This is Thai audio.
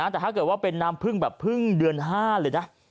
แต่ถ้าเป็นน้ำพึ่งแบบเดือนห้าป่าเลยนะ